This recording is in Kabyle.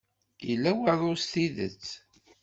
Yella waḍu s tidet.